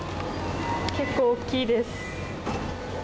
結構大きいです。